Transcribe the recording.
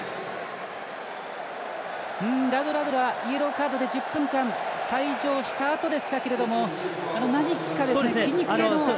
ラドラドラ、イエローカードで１０分間退場したあとでしたが何か、筋肉系の。